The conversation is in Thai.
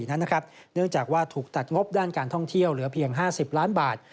เนื่องจากว่าถูกตัดงบด้านการท่องเที่ยวเหลือเพียง๕๐ล้านบาท